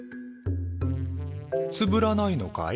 つぶらないのかい？